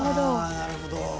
なるほど。